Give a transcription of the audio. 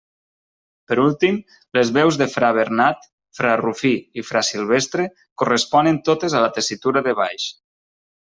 Per últim, les veus de fra Bernat, fra Rufí i fra Silvestre corresponen totes a la tessitura de baix.